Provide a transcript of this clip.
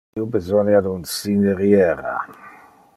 Io besonia de un cineriera.